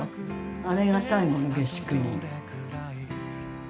あれが最後の下宿人。